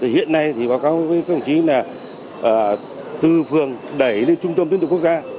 hiện nay thì báo cáo với công chí là tư phường đẩy lên trung tâm tiến tục quốc gia